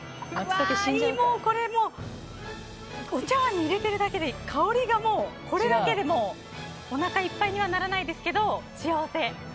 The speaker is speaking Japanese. お茶わんに入れているだけで香りがもうこれだけでおなかいっぱいにはならないですけど、幸せ。